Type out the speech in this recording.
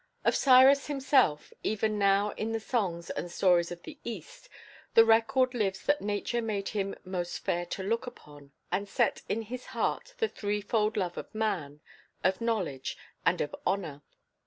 Of Cyrus himself, even now in the songs and stories of the East the record lives that nature made him most fair to look upon, and set in his heart the threefold love of man, of knowledge, and of honour.